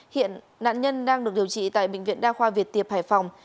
hiện nạn nhân đang được điều trị tại bệnh viện đa khoa việt tiệp hải phòng